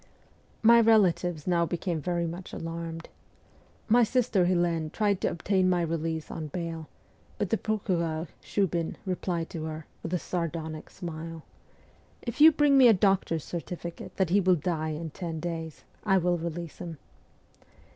My relatives now became very much alarmed. My sister Helene tried to obtain my release on bail, but the procureur, Shiibin, replied to her, with a sardonic smile, ' If you bring me a doctor's certificate that he will die in ten days, I will release him.'